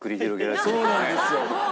そうなんですよ。